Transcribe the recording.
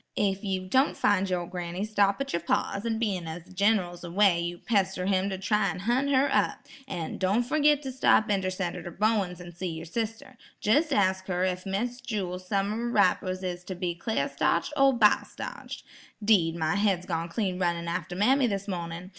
"Ef you don' fin' your granny, stop at yer pa's an' bein' as the Gin'ral's away yer pester him to try an' hunt her up. An' don' fergit to stop inter Senator Bowen's an' see yer sister. Jes' ask her ef Miss Jewel's summer wrappers is to be clar starched or biled starched. 'Deed, my head's clean gone runnin' after mammy this mornin'.